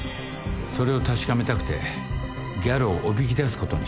それを確かめたくてギャロをおびき出すことにした。